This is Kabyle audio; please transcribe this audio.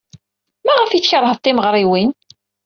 Maɣef ay tkeṛhed timeɣriwin?